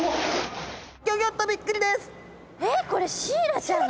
えっこれシイラちゃんなの！？